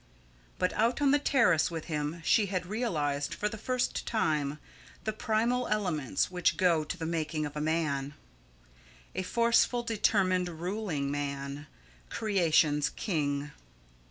But out on the terrace with him she had realised, for the first time, the primal elements which go to the making of a man a forceful determined, ruling man creation's king.